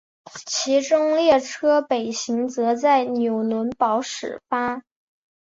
其中列车北行则在纽伦堡始发。